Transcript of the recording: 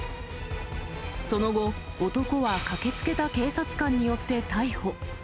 その後、男は駆けつけた警察官によって逮捕。